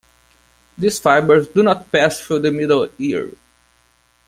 These fibers do not pass through the middle ear.